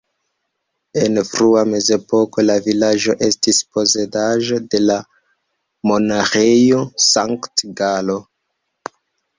En frua mezepoko la vilaĝo estis posedaĵo de la Monaĥejo Sankt-Galo.